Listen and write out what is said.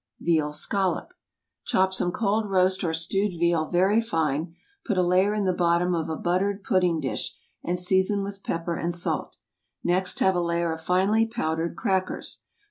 VEAL SCALLOP. ✠ Chop some cold roast or stewed veal very fine, put a layer in the bottom of a buttered pudding dish, and season with pepper and salt. Next have a layer of finely powdered crackers.